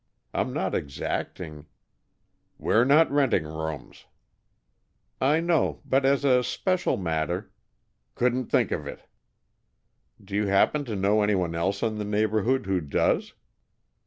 I'm not exacting " "We're not renting rooms." "I know, but as a special matter " "Couldn't think of it." "Do you happen to know anyone else in the neighborhood who does?"